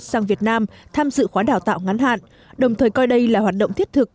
sang việt nam tham dự khóa đào tạo ngắn hạn đồng thời coi đây là hoạt động thiết thực